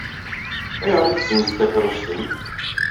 Ayɣer i tezzenzeḍ takeṛṛust-im?